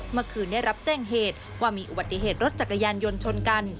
เมื่อคืนได้รับแจ้งเหตุว่ามีอุบัติเหตุรถจักรยานยนต์ชนกัน